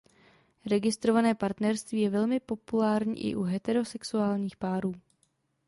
Registrované partnerství je velmi populární i u heterosexuálních párů.